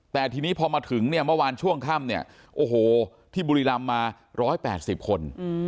แต่ทีนี้พอมาถึงเมื่อวานช่วงค่ำที่บุรีลำมา๑๘๐คน